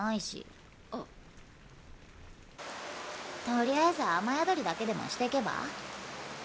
とりあえず雨宿りだけでもしてけば？